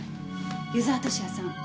湯沢敏也さん。